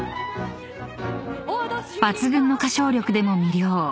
［抜群の歌唱力でも魅了］